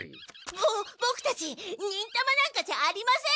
ボボクたち忍たまなんかじゃありません！